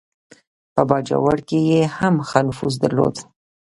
په باجوړ کې یې هم ښه نفوذ درلود.